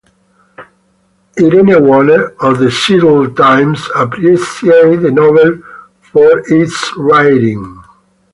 Irene Wanner of "The Seattle Times" appreciated the novel for its writing.